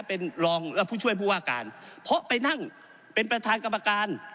เป็นรองผู้ช่วยผู้ว่าการเพราะไปนั่งเป็นประธานกรรมการ